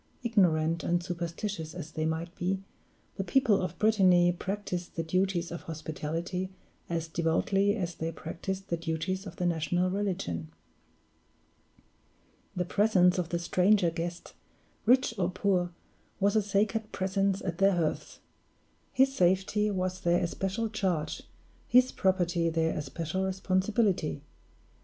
Ignorant and superstitious as they might be, the people of Brittany practiced the duties of hospitality as devoutly as they practiced the duties of the national religion. The presence of the stranger guest, rich or poor, was a sacred presence at their hearths. His safety was their especial charge, his property their especial responsibility.